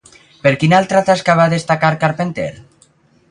Per quina altra tasca va destacar Carpenter?